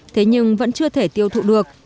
thế nhưng vẫn chưa thể tiêu thụ được